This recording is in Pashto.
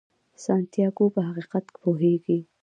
سانتیاګو په حقیقت پوهیږي.